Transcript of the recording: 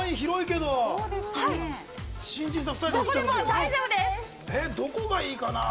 どこがいいかな。